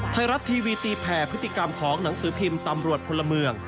ไทยรัฐทีวีตีแผ่พฤติกรรมของหนังสือพิมพ์ตำรวจพลเมือง